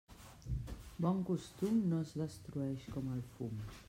Bon costum, no es destrueix com el fum.